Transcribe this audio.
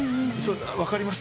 分かります？